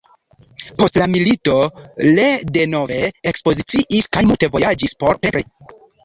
Post la milito le denove ekspoziciis kaj multe vojaĝis por pentri.